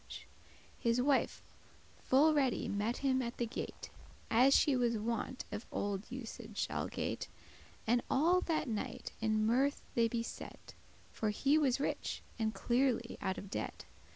* *expenses His wife full ready met him at the gate, As she was wont of old usage algate* *always And all that night in mirthe they beset;* *spent For he was rich, and clearly out of debt.